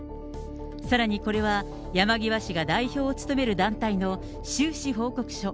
さらに、これは山際氏が代表を務める団体の収支報告書。